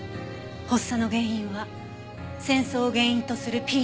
発作の原因は戦争を原因とするＰＴＳＤ。